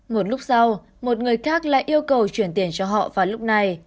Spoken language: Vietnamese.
một lúc sau một người khác lại yêu cầu chuyển tiền cho họ vào lúc này